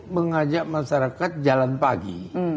mengajak masyarakat jalan pagi